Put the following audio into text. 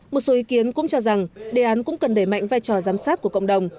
một số ý kiến cũng cho rằng đề án cũng cần đẩy mạnh vai trò giám sát của cộng đồng